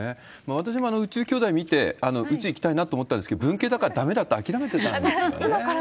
私も宇宙兄弟見て、宇宙行きたいなと思ったんですけれども、文系だからだめだって、諦めてたんですよね。